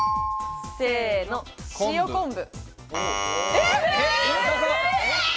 せの、塩昆布。